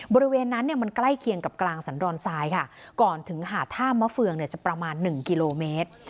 บริเวณนั้นเนี่ยมันใกล้เคียงกับกลางสันดอนทรายค่ะก่อนถึงหาดท่ามะเฟืองจะประมาณ๑กิโลเมตร